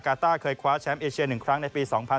ต้าเคยคว้าแชมป์เอเชีย๑ครั้งในปี๒๐๑๖